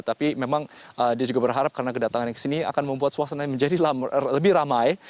tapi memang dia juga berharap karena kedatangannya ke sini akan membuat suasana menjadi lebih ramai